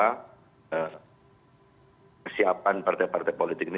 karena kesiapan partai partai politik ini